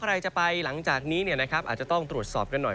ใครจะไปหลังจากนี้อาจจะต้องตรวจสอบกันหน่อย